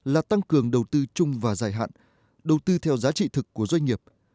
là tăng cường đầu tư chung và dài hạn đầu tư theo giá trị thực của doanh nghiệp